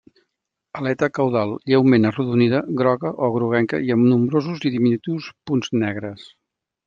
Aleta caudal lleument arrodonida, groga o groguenca i amb nombrosos i diminuts punts negres.